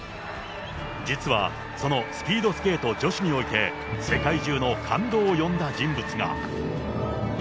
実はそのスピードスケート女子において、世界中の感動を呼んだ人物が。